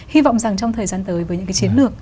hy vọng rằng trong thời gian tới với những cái chiến lược